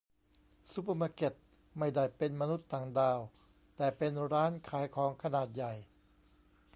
ซูเปอร์มาร์เก็ต ไม่ได้เป็นมนุษย์ต่างดาว แต่เป็นร้านขายของขนาดใหญ่